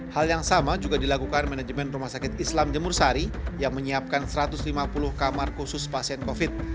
hal yang sama juga dilakukan manajemen rumah sakit islam jemur sari yang menyiapkan satu ratus lima puluh kamar khusus pasien covid